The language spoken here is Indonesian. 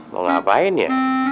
mau ngapain ya